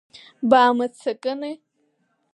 Баамыццакыни…